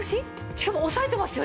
しかも押さえてますよ